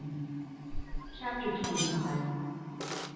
CHAPTER TWENTY FIVE.